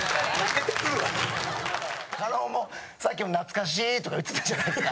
狩野もさっきも「懐かしい」とか言ってたじゃないですか。